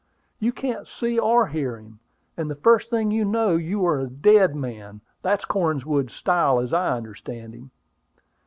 You can't see or hear him, and the first thing you know you are a dead man. That's Cornwood's style, as I understand him."